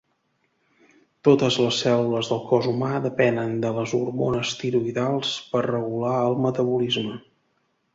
Totes les cèl·lules del cos humà depenen de les hormones tiroïdals per regular el metabolisme.